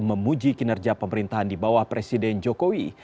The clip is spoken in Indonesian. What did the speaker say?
memuji kinerja pemerintahan di bawah presiden jokowi